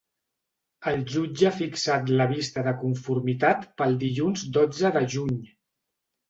El jutge ha fixat la vista de conformitat pel dilluns dotze de juny.